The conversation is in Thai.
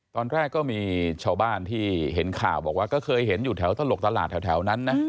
ตอนแรกก็มีชาวบ้านที่เห็นข่าวบอกว่าก็เคยเห็นอยู่แถวตลกตลาดแถวนั้นนะ